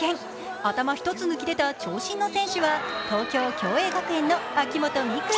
頭一つ抜き出た長身の選手は東京・共栄学園の秋本美空。